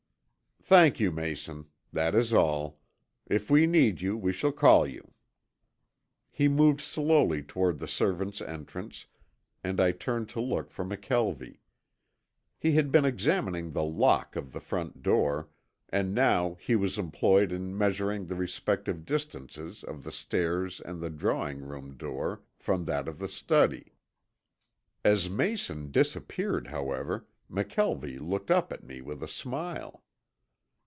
"Thank you, Mason. That is all. If we need you we shall call you." He moved slowly toward the servants' entrance and I turned to look for McKelvie. He had been examining the lock of the front door, and now he was employed in measuring the respective distances of the stairs and the drawing room door from that of the study. As Mason disappeared, however, McKelvie looked up at me with a smile.